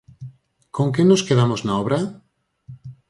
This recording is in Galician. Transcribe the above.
Con que nos quedamos na obra?